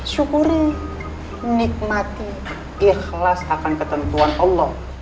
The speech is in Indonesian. syukuri nikmati ikhlas akan ketentuan allah